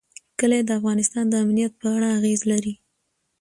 کلي د افغانستان د امنیت په اړه اغېز لري.